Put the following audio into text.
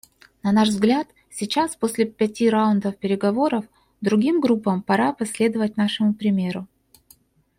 На наш взгляд, сейчас, после пяти раундов переговоров, другим группам пора последовать нашему примеру.